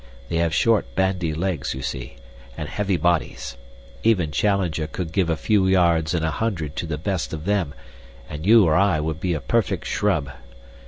They have short, bandy legs, you see, and heavy bodies. Even Challenger could give a few yards in a hundred to the best of them, and you or I would be a perfect Shrubb.